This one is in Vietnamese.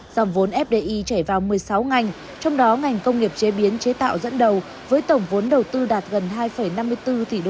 dòng vốn fdi chảy vào một mươi sáu ngành trong đó ngành công nghiệp chế biến chế tạo dẫn đầu với tổng vốn đầu tư đạt gần hai năm mươi bốn tỷ usd